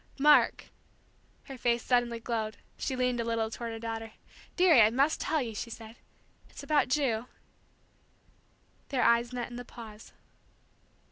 Mark " her face suddenly glowed, she leaned a little toward her daughter, "dearie, I must tell you," she said; "it's about Ju " Their eyes met in the pause.